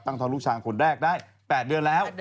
ท้องลูกชายคนแรกได้๘เดือนแล้ว